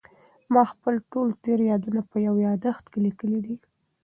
ما خپل ټول تېر یادونه په یو یادښت کې لیکلي دي.